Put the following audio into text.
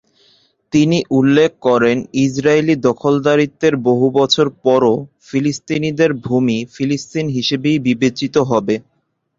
তিনি উল্লেখ করেন ইসরাইলি দখলদারিত্বের বহু বছর পরও ফিলিস্তিনিদের ভূমি ফিলিস্তিন হিসেবেই বিবেচিত হবে।